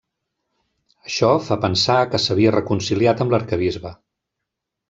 Això fa pensar que s'havia reconciliat amb l'arquebisbe.